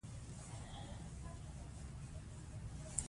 هغه وویل چې انسولین او وینې فشار بدلیدلی شي.